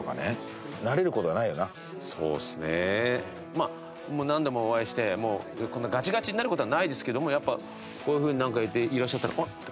まあもう何度もお会いしてこんなガチガチになる事はないですけどもやっぱこういうふうにいていらっしゃったら。